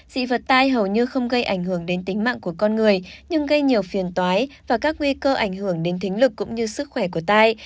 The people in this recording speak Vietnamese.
dị vật tai hầu như không gây ảnh hưởng đến tính mạng của con người nhưng gây nhiều phiền toái và các nguy cơ ảnh hưởng đến thính lực cũng như sức khỏe của tai